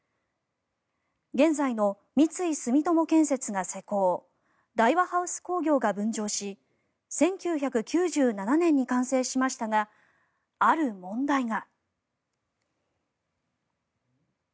現在の三井住友建設が施工大和ハウス工業が分譲し１９９７年に完成しましたがある問題が。